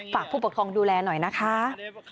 ผู้ปกครองดูแลหน่อยนะคะ